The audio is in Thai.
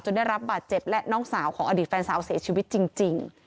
ได้รับบาดเจ็บและน้องสาวของอดีตแฟนสาวเสียชีวิตจริง